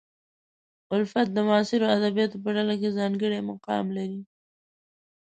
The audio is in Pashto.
الفت د معاصرو ادیبانو په ډله کې ځانګړی مقام لري.